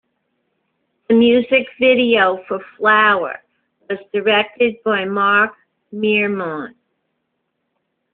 The music video for "Flower" was directed by Mark Miremont.